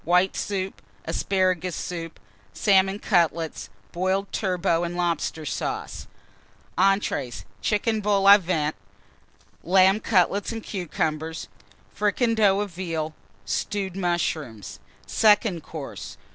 White Soup. Asparagus Soup. Salmon Cutlets. Boiled Turbot and Lobster Sauce. ENTREES. Chicken Vol au Vent. Lamb Cutlets and Cucumbers. Fricandeau of Veal. Stewed Mushrooms. SECOND COURSE.